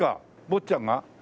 坊ちゃんが？